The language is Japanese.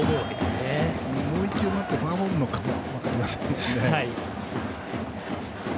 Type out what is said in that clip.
もう１球待ってフォアボールかもしれませんしね。